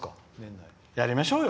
やりましょうよ